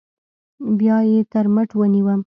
بيا يې تر مټ ونيوم.